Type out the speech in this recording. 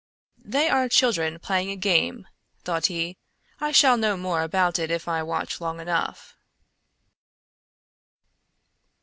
"They are children playing a game," thought he. "I shall know more about it if I watch long enough."